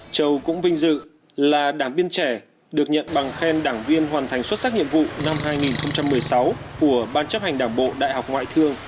châu cũng vinh dự là đảng viên trẻ được nhận bằng khen đảng viên hoàn thành xuất sắc nhiệm vụ năm hai nghìn một mươi sáu của ban chấp hành đảng bộ đại học ngoại thương